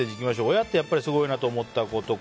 親ってやっぱりすごいなと思ったこと。